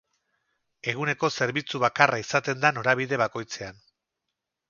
Eguneko zerbitzu bakarra izaten da norabide bakoitzean.